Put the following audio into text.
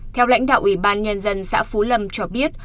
theo lãnh đạo ủy ban nhân dân xã phú lâm cho biết